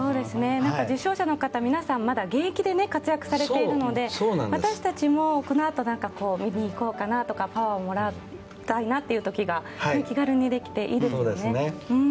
受賞者の方、皆さんまだ現役で活躍されているので私たちもこのあと見に行こうかなとかパワーをもらいたいなという時が気軽にできていいですね。